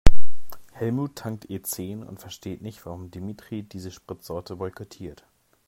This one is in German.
Helmut tankt E-zehn und versteht nicht, warum Dimitri diese Spritsorte boykottiert.